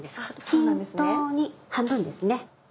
均等に半分ですね。